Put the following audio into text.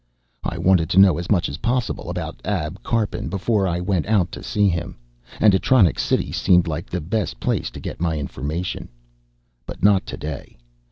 I wanted to know as much as possible about Ab Karpin before I went out to see him. And Atronics City seemed like the best place to get my information. But not today.